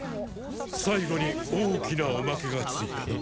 最後に大きなおまけがついたな。